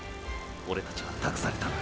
オレたちは託された！！